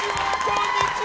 こんにちは！